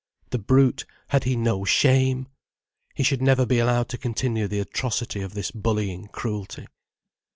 The brute, had he no shame? He should never be allowed to continue the atrocity of this bullying cruelty.